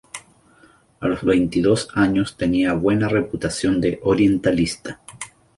A los veintidós años tenía buena reputación de orientalista.